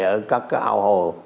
ở các cái ao hồ